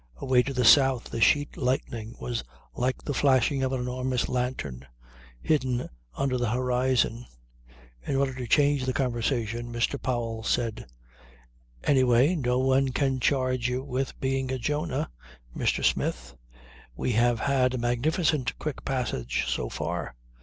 Away to the south the sheet lightning was like the flashing of an enormous lantern hidden under the horizon. In order to change the conversation Mr. Powell said: "Anyway no one can charge you with being a Jonah, Mr. Smith. We have had a magnificent quick passage so far.